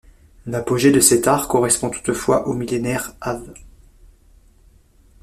L’apogée de cet art correspond toutefois au millénaire av.